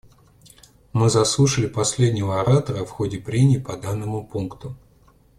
Мы заслушали последнего оратора в ходе прений по данному пункту.